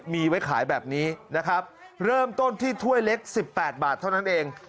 มีไว้ขายแบบนี้นะครับเริ่มต้นที่ถ้วยเล็ก๑๘บาทเท่านั้นเอง